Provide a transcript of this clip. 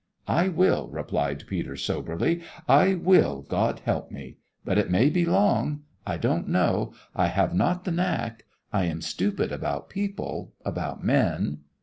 "I will," replied Peter, soberly. "I will, God help me. But it may be long. I don't know; I have not the knack; I am stupid about people, about men."